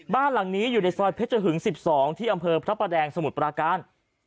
บ้านหลังนี้อยู่ในซอยเพชรหึง๑๒ที่อำเภอพระประแดงสมุทรปราการ